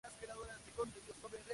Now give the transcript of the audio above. No había estudiado obras clásicas.